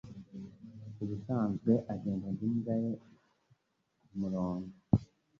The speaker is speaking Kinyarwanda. Ubusanzwe agendana n’imbwa ye kumurongo.